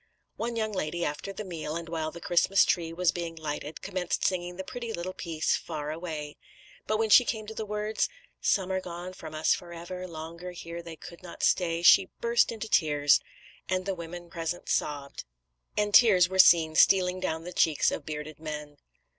One young lady, after the meal, and while the Christmas tree was being lighted commenced singing the pretty little piece, "Far Away," but when she came to the words: Some are gone from us forever Longer here they could not stay, she burst into tears; and the women present sobbed, and tears were seen stealing down the cheeks of bearded men.